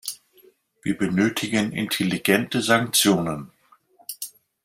Wir benötigen intelligente Sanktionen.